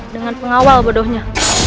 dengan pengawal bodohnya